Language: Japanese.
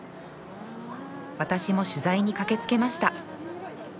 私も取材に駆けつけました！